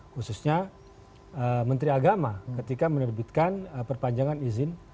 khususnya menteri agama ketika menerbitkan perpanjangan izin